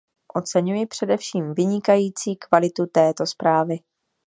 Oceňuji především vynikající kvalitu této zprávy.